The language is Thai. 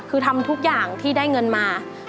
คือทำทุกอย่างที่ได้เงินมา